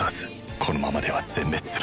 このままでは全滅する。